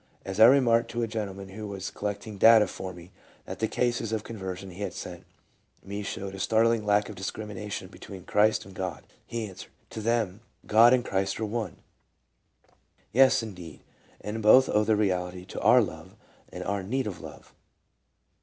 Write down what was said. As I remarked to a gentleman who was collecting data for me that the cases of conversion he had sent me showed a startling lack of discrimination between Christ and God, he answered, " To them God and Christ are one." Yes, indeed, and both owe their reality to our love and our need of love.